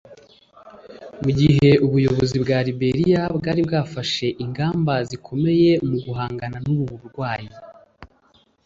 Mu gihbuyobozi bwa Liberia bwari bwafashe ingamba zikomeye mu guhangana n’ubu burwayi